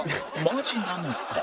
マジなのか？